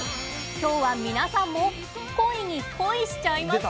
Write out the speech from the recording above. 今日は皆さんも「コイ」に「恋」しちゃいますよ！